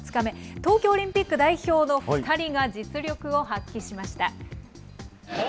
東京オリンピック代表の２人が実力を発揮しました。